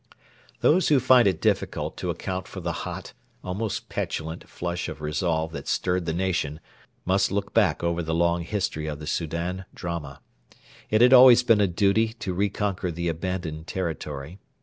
Those who find it difficult to account for the hot, almost petulant, flush of resolve that stirred the nation must look back over the long history of the Soudan drama. It had always been a duty to reconquer the abandoned territory.